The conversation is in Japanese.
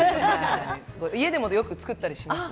家でもよく作ったりします。